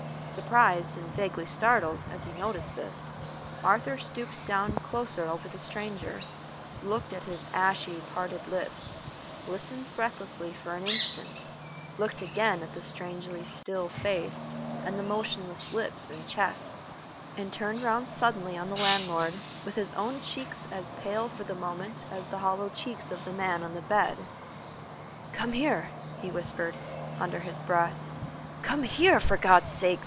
Surprised and vaguely startled as he noticed this, Arthur stooped down closer over the stranger, looked at his ashy, parted lips, listened breathlessly for an instant, looked again at the strangely still face, and the motionless lips and chest, and turned round suddenly on the landlord with his own cheeks as pale for the moment as the hollow cheeks of the man on the bed. "Come here," he whispered, under his breath. "Come here, for God's sake!